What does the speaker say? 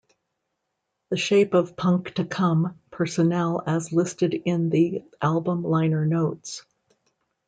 "The Shape of Punk to Come" personnel as listed in the album liner notes.